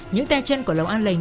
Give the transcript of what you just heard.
những tay chân của lẩu an lành